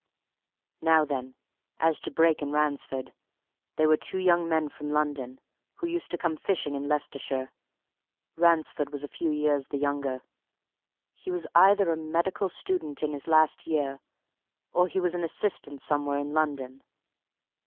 Now then, as to Brake and Ransford. They were two young men from London, who used to come fishing in Leicestershire. Ransford was a few years the younger he was either a medical student in his last year, or he was an assistant somewhere in London.